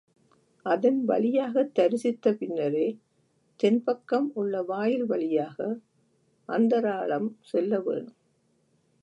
அதன் வழியாகத் தரிசித்த பின்னரே தென்பக்கம் உள்ள வாயில் வழியாக அந்தராளம் செல்லவேணும்.